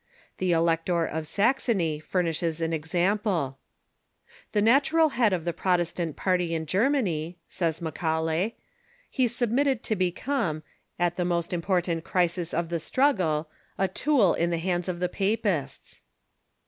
The Elector of Saxony furnishes an example. " The natural head of the Protestant party in Germany," says Macaulay, " he submitted to become, at the most impor tant crisis of the struggle, a tool in the hands of the Papists."